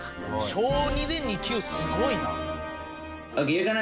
小２で２級すごいな！